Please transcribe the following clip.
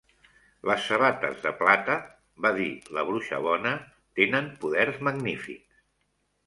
"Les sabates de plata", va dir la Bruixa Bona, "tenen poders magnífics".